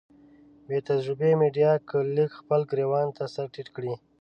بې تجربې ميډيا که لږ خپل ګرېوان ته سر ټيټ کړي.